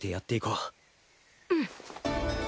うん。